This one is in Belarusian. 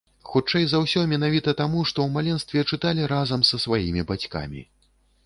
Хутчэй за ўсё, менавіта таму, што ў маленстве чыталі разам са сваімі бацькамі.